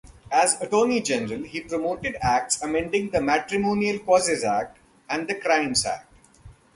As Attorney-General, he promoted acts amending the "Matrimonial Causes Act" and the "Crimes Act".